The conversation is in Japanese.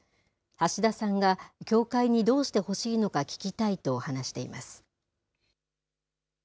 橋田さんが教会にどうしてほしいのか聞きたいと話しています。